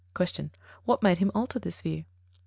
Q. _What made him alter this view?